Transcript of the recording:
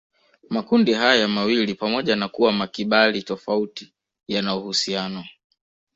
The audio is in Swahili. Makundi haya mawili pamoja na kuwa makibali tofauti yana uhusiano